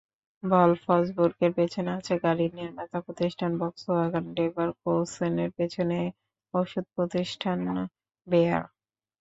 ভলফসবুর্গের পেছনে আছে গাড়িনির্মাতা প্রতিষ্ঠান ভক্সওয়াগন, লেভারকুসেনের পেছনে ওষুধ প্রতিষ্ঠান বেয়ার।